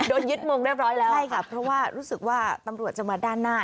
ยึดมงเรียบร้อยแล้วใช่ค่ะเพราะว่ารู้สึกว่าตำรวจจะมาด้านหน้า